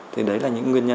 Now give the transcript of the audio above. thế đấy là những nguyên liệu